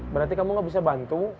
berarti kamu gak bisa bantu